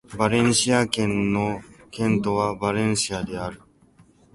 バレンシア県の県都はバレンシアである